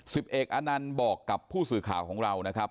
สิบเอกอนันต์บอกกับผู้สื่อข่าวของเรานะครับ